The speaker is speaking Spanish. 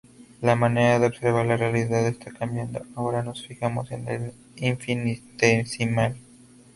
La manera de observar la realidad está cambiando, ahora nos fijamos en lo infinitesimal.